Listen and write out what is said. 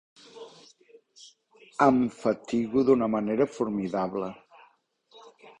Em fatigo d'una manera formidable.